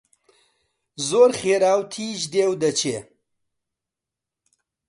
زۆر خێرا و تیژ دێ و دەچێ